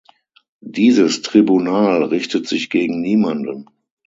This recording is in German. Dieses Tribunal richtet sich gegen niemanden.